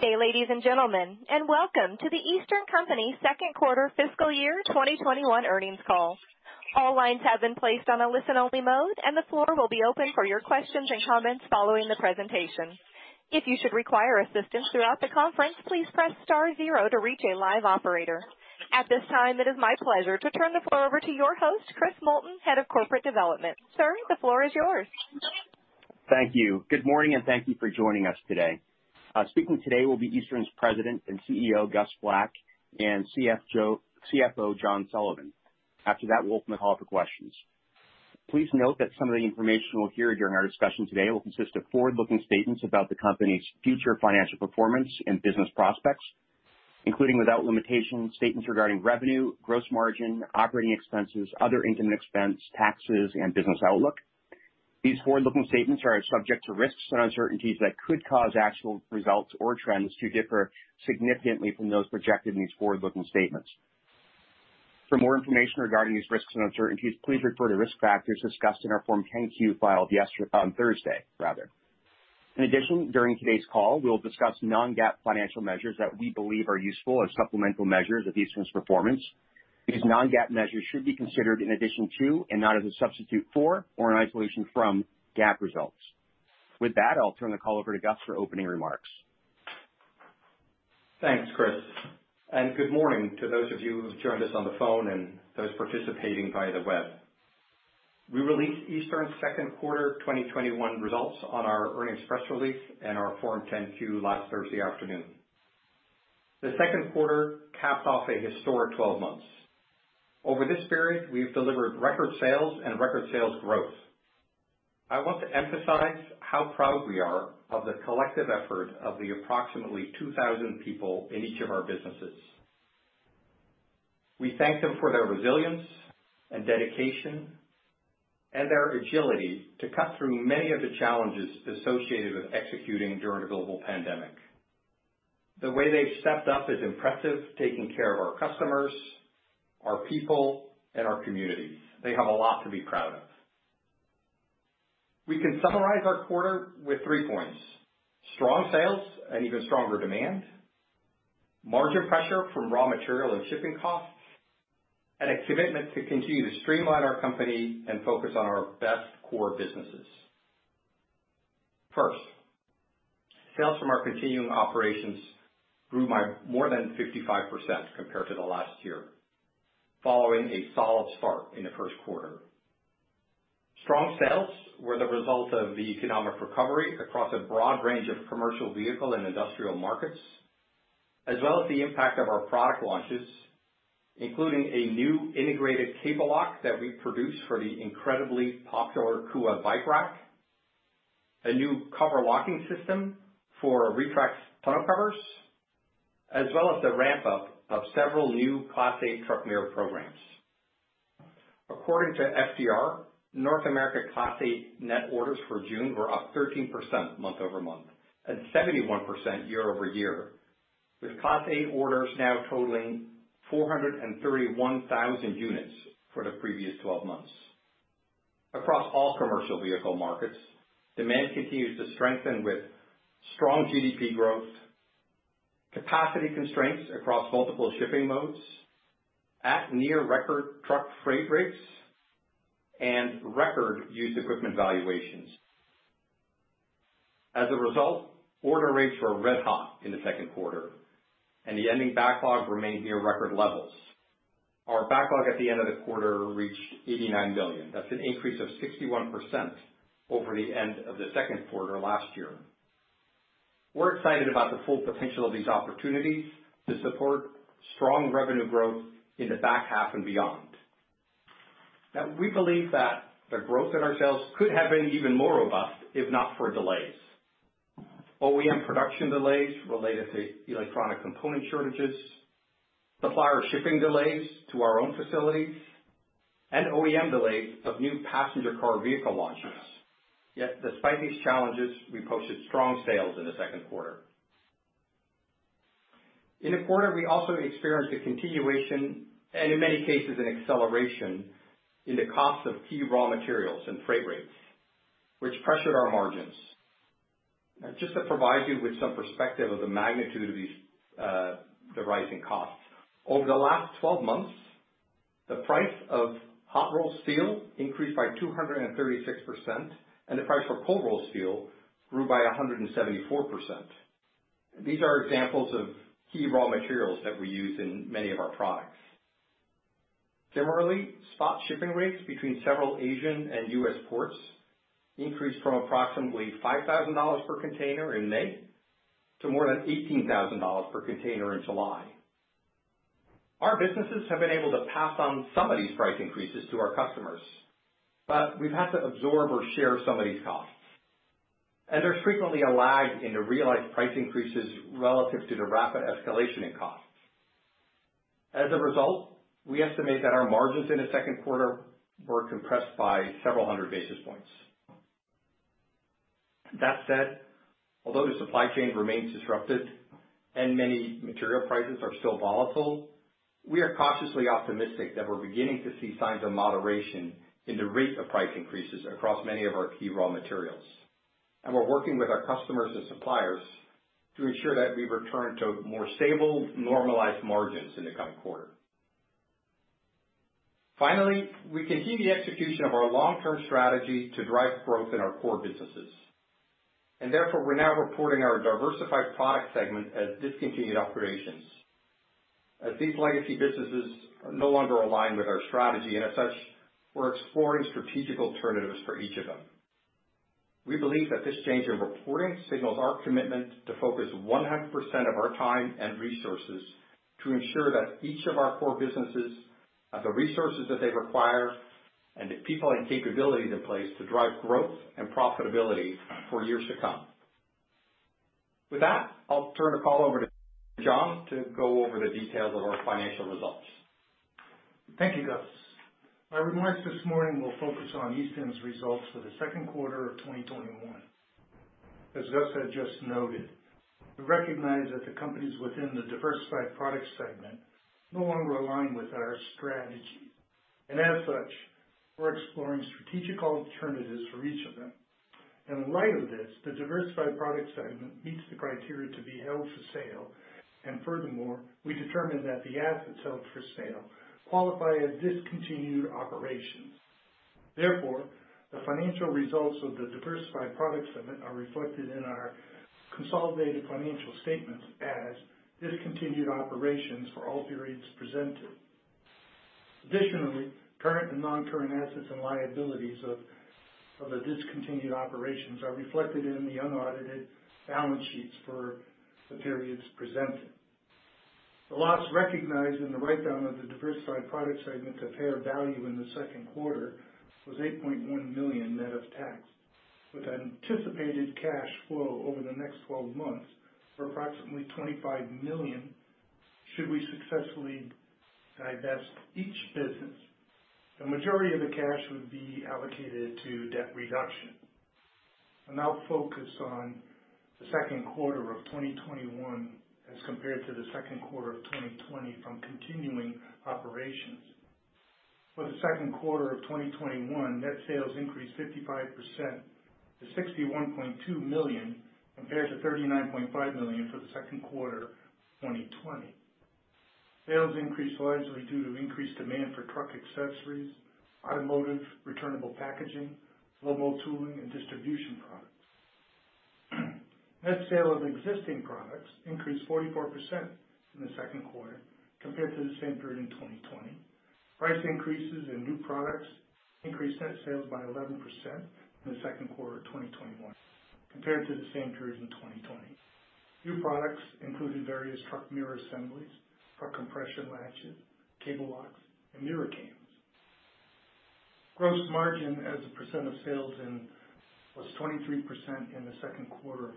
Good day, ladies and gentlemen, and welcome to The Eastern Company second quarter fiscal year 2021 earnings call. All lines have been placed on a listen-only mode, and the floor will be open for your questions and comments following the presentation. If you should require assistance throughout the conference, please press star 0 to reach a live operator. At this time, it is my pleasure to turn the floor over to your host, Christopher Moulton, Head of Corporate Development. Sir, the floor is yours. Thank you. Good morning, thank you for joining us today. Speaking today will be Eastern's President and CEO, Gus M. Vlak, and CFO, John Sullivan. After that, we'll open the call for questions. Please note that some of the information you will hear during our discussion today will consist of forward-looking statements about the company's future financial performance and business prospects, including, without limitation, statements regarding revenue, gross margin, operating expenses, other income and expense, taxes, and business outlook. These forward-looking statements are subject to risks and uncertainties that could cause actual results or trends to differ significantly from those projected in these forward-looking statements. For more information regarding these risks and uncertainties, please refer to risk factors discussed in our Form 10-Q filed on Thursday. During today's call, we'll discuss non-GAAP financial measures that we believe are useful as supplemental measures of Eastern's performance. These non-GAAP measures should be considered in addition to and not as a substitute for or an isolation from GAAP results. With that, I'll turn the call over to Gus for opening remarks. Thanks, Chris. Good morning to those of you who've joined us on the phone and those participating via the web. We released Eastern's second quarter 2021 results on our earnings press release and our Form 10-Q last Thursday afternoon. The second quarter capped off a historic 12 months. Over this period, we've delivered record sales and record sales growth. I want to emphasize how proud we are of the collective effort of the approximately 2,000 people in each of our businesses. We thank them for their resilience and dedication and their agility to cut through many of the challenges associated with executing during a global pandemic. The way they've stepped up is impressive, taking care of our customers, our people, and our communities. They have a lot to be proud of. We can summarize our quarter with three points. Strong sales and even stronger demand, margin pressure from raw material and shipping costs, and a commitment to continue to streamline our company and focus on our best core businesses. First, sales from our continuing operations grew by more than 55% compared to the last year, following a solid start in the first quarter. Strong sales were the result of the economic recovery across a broad range of commercial vehicle and industrial markets, as well as the impact of our product launches, including a new integrated cable lock that we produce for the incredibly popular Kuat bike rack, a new cover locking system for Retrax tonneau covers, as well as the ramp-up of several new Class 8 truck mirror programs. According to FTR, North America Class 8 net orders for June were up 13% month-over-month and 71% year-over-year, with Class 8 orders now totaling 431,000 units for the previous 12 months. Across all commercial vehicle markets, demand continues to strengthen with strong GDP growth, capacity constraints across multiple shipping modes at near record truck freight rates and record used equipment valuations. As a result, order rates were red hot in the second quarter, and the ending backlog remained near record levels. Our backlog at the end of the quarter reached $89 billion. That's an increase of 61% over the end of the second quarter last year. We're excited about the full potential of these opportunities to support strong revenue growth in the back half and beyond. We believe that the growth in our sales could have been even more robust if not for delays. OEM production delays related to electronic component shortages, supplier shipping delays to our own facilities, and OEM delays of new passenger car vehicle launches. Despite these challenges, we posted strong sales in the second quarter. In the quarter, we also experienced a continuation, and in many cases, an acceleration in the cost of key raw materials and freight rates, which pressured our margins. Just to provide you with some perspective of the magnitude of the rising costs. Over the last 12 months, the price of hot-rolled steel increased by 236%, and the price for cold-rolled steel grew by 174%. These are examples of key raw materials that we use in many of our products. Similarly, spot shipping rates between several Asian and U.S. ports increased from approximately $5,000 per container in May to more than $18,000 per container in July. Our businesses have been able to pass on some of these price increases to our customers, we've had to absorb or share some of these costs. There's frequently a lag in the realized price increases relative to the rapid escalation in costs. As a result, we estimate that our margins in the second quarter were compressed by several hundred basis points. That said, although the supply chain remains disrupted and many material prices are still volatile, we are cautiously optimistic that we're beginning to see signs of moderation in the rate of price increases across many of our key raw materials, we're working with our customers and suppliers to ensure that we return to more stable, normalized margins in the coming quarter. Finally, we continue the execution of our long-term strategy to drive growth in our core businesses. Therefore, we're now reporting our diversified product segment as discontinued operations as these legacy businesses are no longer aligned with our strategy. As such, we're exploring strategic alternatives for each of them. We believe that this change in reporting signals our commitment to focus 100% of our time and resources to ensure that each of our core businesses have the resources that they require and the people and capabilities in place to drive growth and profitability for years to come. With that, I'll turn the call over to John to go over the details of our financial results. Thank you, Gus. My remarks this morning will focus on Eastern's results for the second quarter of 2021. As Gus had just noted, we recognize that the companies within the diversified products segment no longer align with our strategy. As such, we're exploring strategic alternatives for each of them. In light of this, the diversified product segment meets the criteria to be held for sale. Furthermore, we determine that the assets held for sale qualify as discontinued operations. Therefore, the financial results of the diversified products segment are reflected in our consolidated financial statements as discontinued operations for all periods presented. Additionally, current and non-current assets and liabilities of the discontinued operations are reflected in the unaudited balance sheets for the periods presented. The loss recognized in the write-down of the diversified products segment to fair value in the second quarter was $8.1 million, net of tax, with anticipated cash flow over the next 12 months for approximately $25 million should we successfully divest each business. The majority of the cash would be allocated to debt reduction. I'll now focus on the second quarter of 2021 as compared to the second quarter of 2020 from continuing operations. For the second quarter of 2021, net sales increased 55% to $61.2 million compared to $39.5 million for the second quarter of 2020. Sales increased largely due to increased demand for truck accessories, automotive returnable packaging, blow mold tooling, and distribution products. Net sale of existing products increased 44% in the second quarter compared to the same period in 2020. Price increases in new products increased net sales by 11% in the second quarter of 2021 compared to the same period in 2020. New products included various truck mirror assemblies, truck compression latches, cable locks, and mirror cams. Gross margin as a percent of sales was 23% in the second quarter,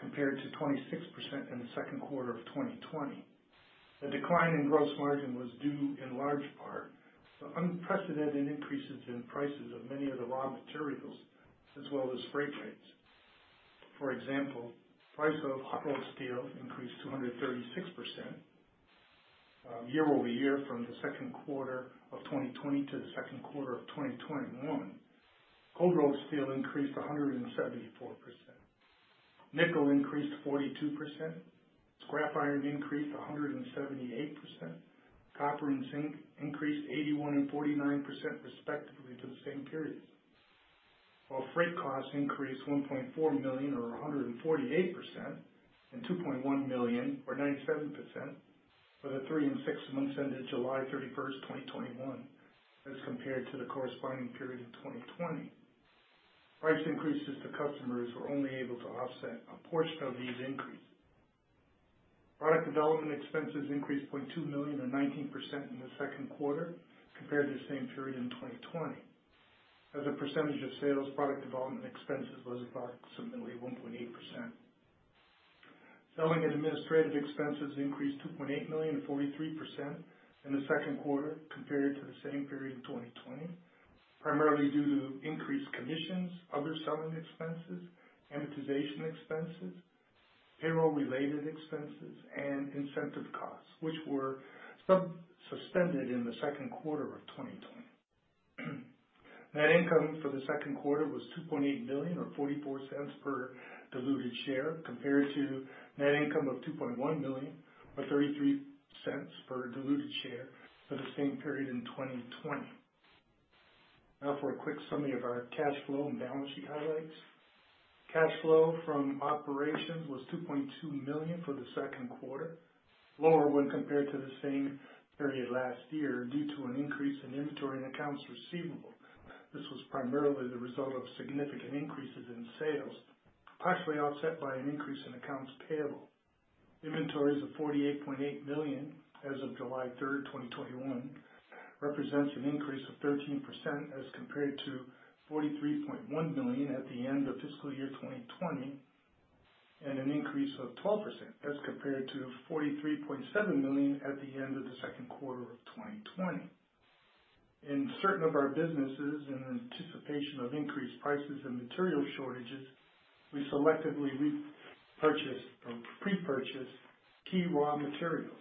compared to 26% in the second quarter of 2020. The decline in gross margin was due in large part to unprecedented increases in prices of many of the raw materials, as well as freight rates. For example, price of hot rolled steel increased 236% year-over-year from the second quarter of 2020 to the second quarter of 2021. Cold rolled steel increased 174%. Nickel increased 42%. Scrap iron increased 178%. Copper and zinc increased 81% and 49%, respectively, to the same period. While freight costs increased $1.4 million or 148% and $2.1 million or 97% for the three and six months ended July 31st, 2021 as compared to the corresponding period in 2020. Price increases to customers were only able to offset a portion of these increases. Product development expenses increased $0.2 million or 19% in the second quarter compared to the same period in 2020. As a percentage of sales, product development expenses was approximately 1.8%. Selling and administrative expenses increased $2.8 million or 43% in the second quarter compared to the same period in 2020, primarily due to increased commissions, other selling expenses, amortization expenses, payroll-related expenses, and incentive costs, which were suspended in the second quarter of 2020. Net income for the second quarter was $2.8 million or $0.33 per diluted share, compared to net income of $2.1 million or $0.33 per diluted share for the same period in 2020. Now for a quick summary of our cash flow and balance sheet highlights. Cash flow from operations was $2.2 million for the second quarter, lower when compared to the same period last year due to an increase in inventory and accounts receivable. This was primarily the result of significant increases in sales, partially offset by an increase in accounts payable. Inventories of $48.8 million as of July 3rd, 2021, represents an increase of 13% as compared to $43.1 million at the end of fiscal year 2020, and an increase of 12% as compared to $43.7 million at the end of the second quarter of 2020. In certain of our businesses, in anticipation of increased prices and material shortages, we selectively repurchased or pre-purchased key raw materials.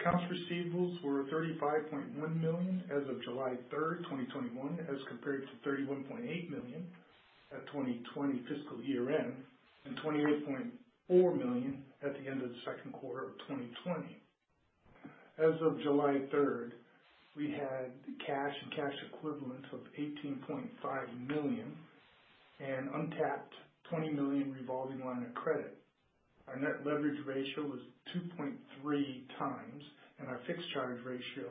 Accounts receivables were $35.1 million as of July 3rd, 2021, as compared to $31.8 million at 2020 fiscal year-end, and $28.4 million at the end of the second quarter of 2020. As of July 3rd, we had cash and cash equivalents of $18.5 million and untapped $20 million revolving line of credit. Our net leverage ratio was 2.3.x Our fixed charge ratio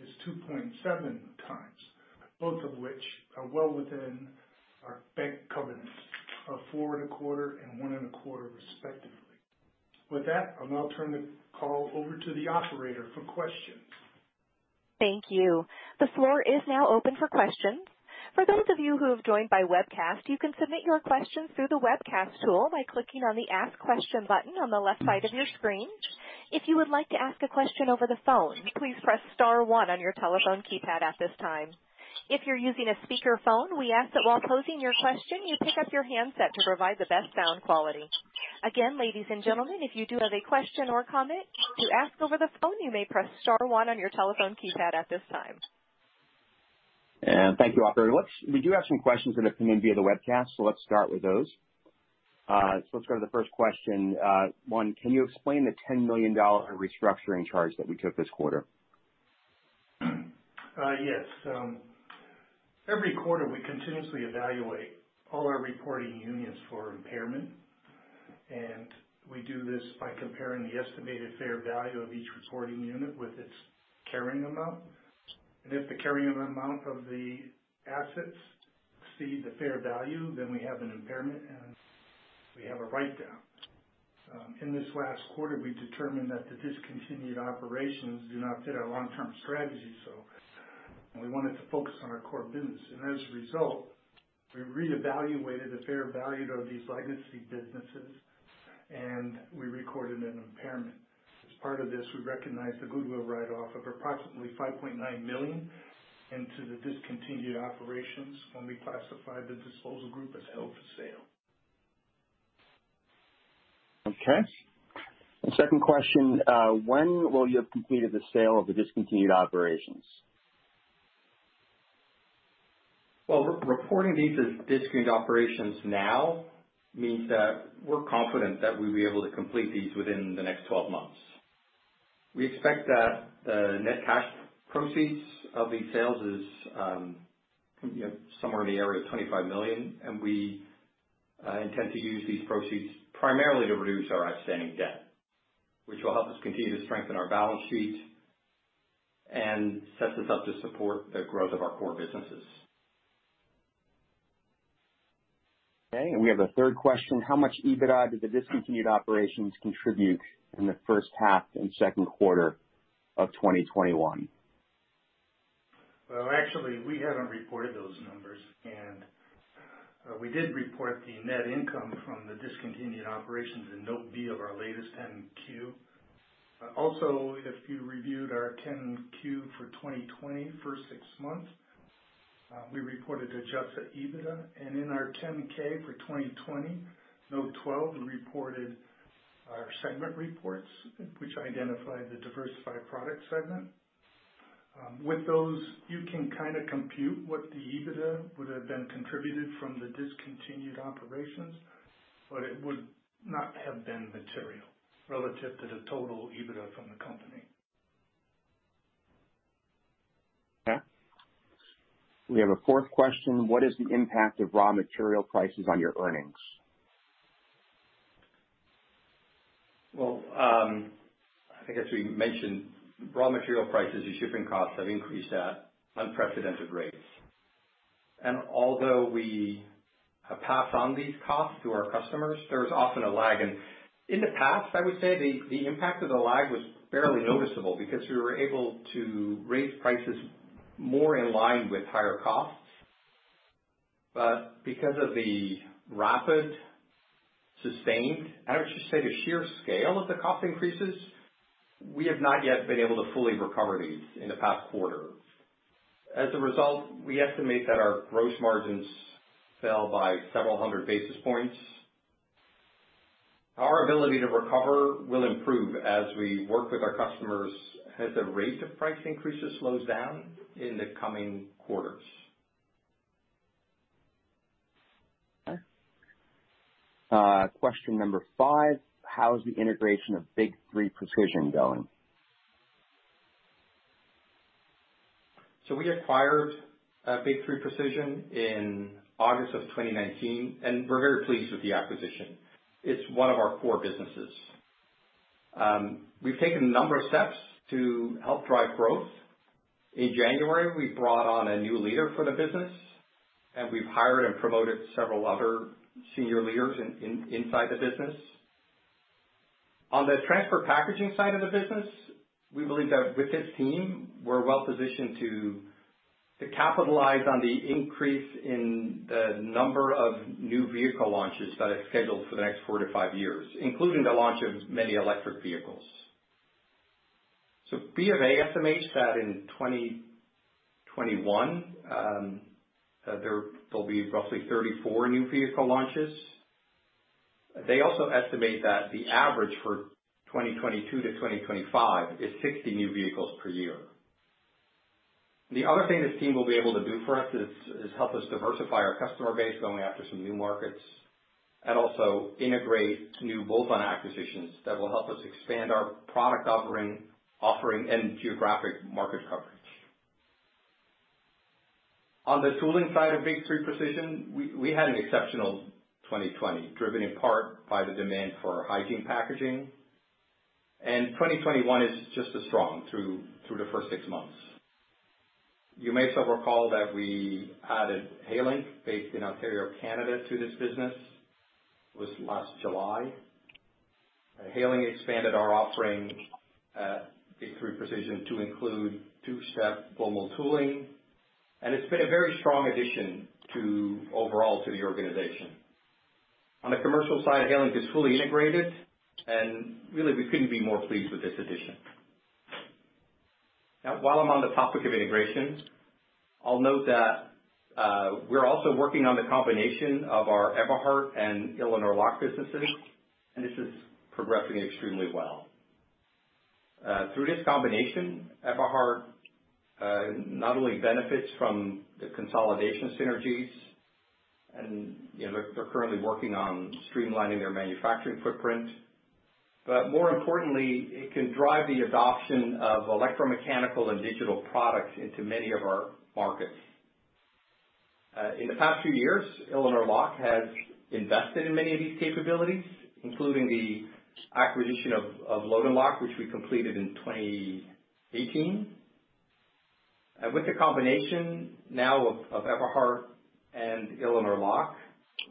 is 2.7x, both of which are well within our bank covenants of four and a quarter and one and a quarter respectively. With that, I'll now turn the call over to the operator for questions. Thank you. The floor is now open for questions. For those of you who have joined by webcast, you can submit your questions through the webcast tool by clicking on the Ask Question button on the left side of your screen. If you would like to ask a question over the phone, please press *1 on your telephone keypad at this time. If you're using a speakerphone, we ask that while posing your question, you pick up your handset to provide the best sound quality. Again, ladies and gentlemen, if you do have a question or comment to ask over the phone, you may press *1 on your telephone keypad at this time. Thank you, operator. We do have some questions that have come in via the webcast, so let's start with those. Let's go to the first question. One, can you explain the $10 million restructuring charge that we took this quarter? Yes. Every quarter, we continuously evaluate all our reporting units for impairment. We do this by comparing the estimated fair value of each reporting unit with its carrying amount. If the carrying amount of the assets exceed the fair value, we have an impairment, and we have a write-down. In this last quarter, we determined that the discontinued operations do not fit our long-term strategy, so we wanted to focus on our core business. As a result, we reevaluated the fair value of these legacy businesses, and we recorded an impairment. As part of this, we recognized a goodwill write-off of approximately $5.9 million into the discontinued operations when we classified the disposal group as held for sale. Okay. The second question, when will you have completed the sale of the discontinued operations? Well, reporting these as discontinued operations now means that we're confident that we'll be able to complete these within the next 12 months. We expect that the net cash proceeds of these sales is somewhere in the area of $25 million, and we intend to use these proceeds primarily to reduce our outstanding debt, which will help us continue to strengthen our balance sheet and sets us up to support the growth of our core businesses. Okay, we have a third question. How much EBITDA did the discontinued operations contribute in the first half and second quarter of 2021? Well, actually, we haven't reported those numbers, and we did report the net income from the discontinued operations in Note B of our latest 10-Q. Also, if you reviewed our 10-Q for 2020 first six months, we reported adjusted EBITDA. In our 10-K for 2020, Note 12, we reported our segment reports, which identified the Diversified Product Segment. With those, you can kind of compute what the EBITDA would've been contributed from the discontinued operations, but it would not have been material relative to the total EBITDA from the company. Okay. We have a fourth question. What is the impact of raw material prices on your earnings? Well, I guess we mentioned raw material prices and shipping costs have increased at unprecedented rates. Although we pass on these costs to our customers, there's often a lag. In the past, I would say the impact of the lag was barely noticeable because we were able to raise prices more in line with higher costs. Because of the rapid, sustained, and I would just say the sheer scale of the cost increases, we have not yet been able to fully recover these in the past quarter. As a result, we estimate that our gross margins fell by several hundred basis points. Our ability to recover will improve as we work with our customers as the rate of price increases slows down in the coming quarters. Okay. Question number five, how is the integration of Big 3 Precision going? We acquired Big 3 Precision in August of 2019, and we're very pleased with the acquisition. It's one of our core businesses. We've taken a number of steps to help drive growth. In January, we brought on a new leader for the business, and we've hired and promoted several other senior leaders inside the business. On the transfer packaging side of the business, we believe that with this team, we're well positioned to capitalize on the increase in the number of new vehicle launches that are scheduled for the next four to five years, including the launch of many electric vehicles. B ofA estimates that in 2021, there'll be roughly 34 new vehicle launches. They also estimate that the average for 2022 to 2025 is 60 new vehicles per year. The other thing this team will be able to do for us is help us diversify our customer base, going after some new markets, and also integrate new bolt-on acquisitions that will help us expand our product offering and geographic market coverage. On the tooling side of Big 3 Precision, we had an exceptional 2020, driven in part by the demand for hygiene packaging, and 2021 is just as strong through the first six months. You may still recall that we added Hallink, based in Ontario, Canada, to this business. It was last July. Hallink expanded our offering at Big 3 Precision to include two-step blow mold tooling, and it's been a very strong addition overall to the organization. On the commercial side, Hallink is fully integrated, and really, we couldn't be more pleased with this addition. While I'm on the topic of integration, I'll note that we're also working on the combination of our Eberhard and Illinois Lock businesses, and this is progressing extremely well. Through this combination, Eberhard not only benefits from the consolidation synergies, and they're currently working on streamlining their manufacturing footprint, but more importantly, it can drive the adoption of electromechanical and digital products into many of our markets. In the past few years, Illinois Lock has invested in many of these capabilities, including the acquisition of Load & Lock, which we completed in 2018. With the combination now of Eberhard and Illinois Lock,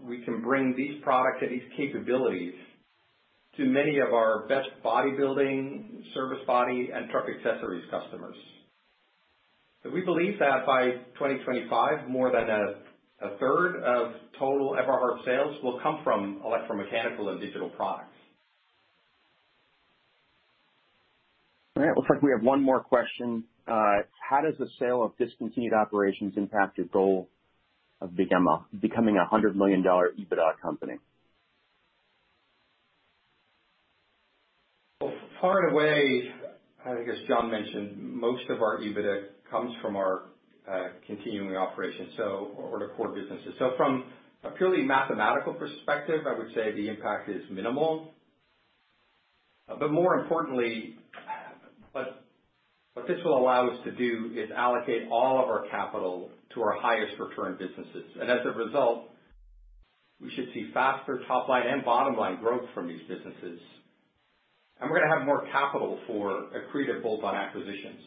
we can bring these products and these capabilities to many of our best bodybuilding, service body, and truck accessories customers. We believe that by 2025, more than 1/3 of total Eberhard sales will come from electromechanical and digital products. All right. It looks like we have one more question. How does the sale of discontinued operations impact your goal of becoming a $100 million EBITDA company? Far and away, I guess John mentioned, most of our EBITDA comes from our continuing operations, or the core businesses. From a purely mathematical perspective, I would say the impact is minimal. More importantly, what this will allow us to do is allocate all of our capital to our highest return businesses. As a result, we should see faster top-line and bottom-line growth from these businesses. We're going to have more capital for accretive bolt-on acquisitions.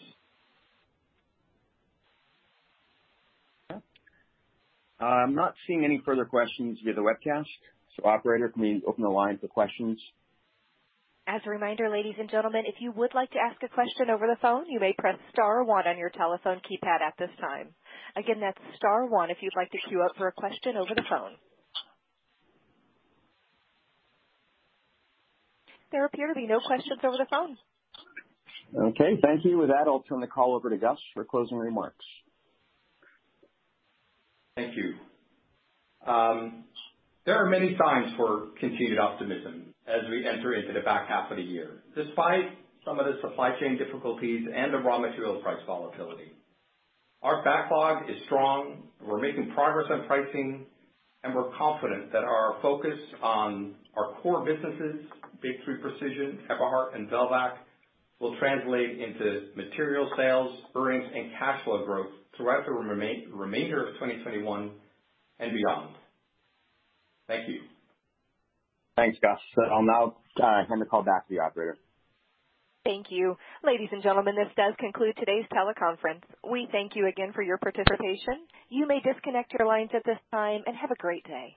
Okay. I'm not seeing any further questions via the webcast. Operator, can we open the lines for questions? As a reminder, ladies and gentlemen, if you would like to ask a question over the phone, you may press star one on your telephone keypad at this time. Again, that's star one if you'd like to queue up for a question over the phone. There appear to be no questions over the phone. Okay, thank you. With that, I'll turn the call over to Gus for closing remarks. Thank you. There are many signs for continued optimism as we enter into the back half of the year, despite some of the supply chain difficulties and the raw material price volatility. Our backlog is strong. We're making progress on pricing, and we're confident that our focus on our core businesses, Big 3 Precision, Eberhard, and Velvac, will translate into material sales, earnings, and cash flow growth throughout the remainder of 2021 and beyond. Thank you. Thanks, Gus. I'll now turn the call back to the operator. Thank you. Ladies and gentlemen, this does conclude today's teleconference. We thank you again for your participation. You may disconnect your lines at this time, and have a great day.